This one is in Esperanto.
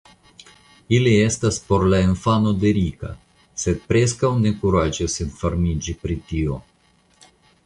Ili estas por la infano de Rika, sed preskaŭ ne kuraĝas informiĝi pri tio.